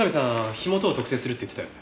火元を特定するって言ってたよね？